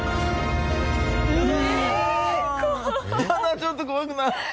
ちょっと怖くない？